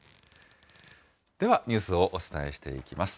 ではニュースをお伝えしていきます。